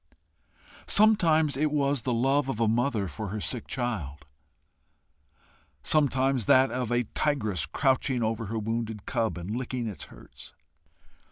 Sometimes it was the love of a mother for her sick child; sometimes that of a tigress crouching over her wounded cub and licking its hurts.